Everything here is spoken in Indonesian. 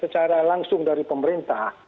secara langsung dari pemerintah